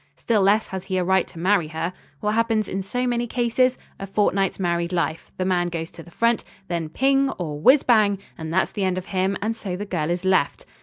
Still less has he a right to marry her. What happens in so many cases? A fortnight's married life. The man goes to the front. Then ping! or whizz bang! and that's the end of him, and so the girl is left."